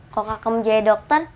kalo kakak menjadi dokter